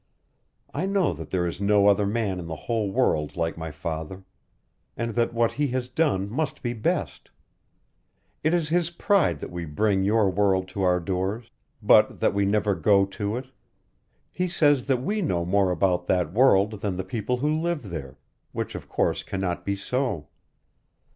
I know that there is no other man in the whole world like my father, and that what he has done must be best. It is his pride that we bring your world to our doors, but that we never go to it; he says that we know more about that world than the people who live there, which of course cannot be so.